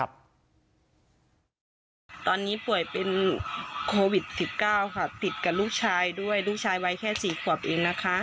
ตอนนี้ป่วยเป็นโควิด๑๙ค่ะติดกับลูกชายด้วยลูกชายวัยแค่๔ขวบเองนะคะ